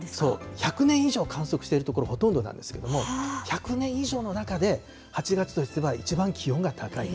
１００年以上観測している所、ほとんどなんですけども、１００年以上の中で、８月としては一番気温が高い。